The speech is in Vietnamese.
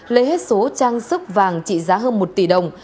lấy hết số trang sức vàng trị giá hơn một tỷ đồng